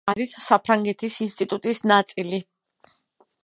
არის საფრანგეთის ინსტიტუტის ნაწილი.